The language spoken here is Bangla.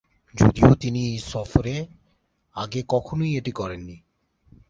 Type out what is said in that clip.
যদিও তিনি এই সফরে আগে কখনোই এটি করেননি।